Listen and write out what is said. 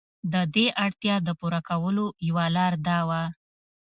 د دې اړتیا د پوره کولو یوه لار دا وه.